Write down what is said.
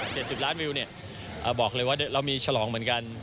สิบล้านวิวเนี่ยบอกเลยว่าเรามีฉลองเหมือนกัน